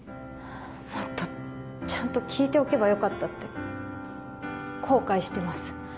もっとちゃんと聞いておけばよかったって後悔してます